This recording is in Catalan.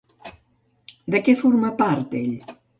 De què forma part ell?